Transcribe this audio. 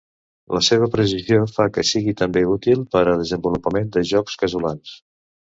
La seva precisió fa que sigui també útil per al desenvolupament de jocs casolans.